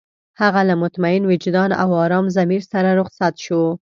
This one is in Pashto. هغه له مطمئن وجدان او ارام ضمير سره رخصت شو.